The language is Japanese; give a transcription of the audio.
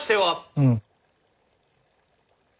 うん。